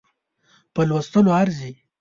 په لوستلو ارزي.